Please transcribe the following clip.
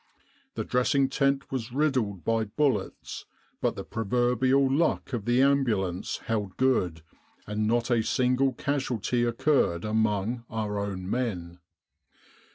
The dressing tent was riddled by bullets, but the pro verbial luck of the Ambulance held good and not a single casualty occurred among our own men.